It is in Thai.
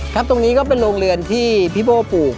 ตรงนี้ก็เป็นโรงเรือนที่พี่โบ้ปลูก